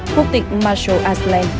khúc tịch marshall aslan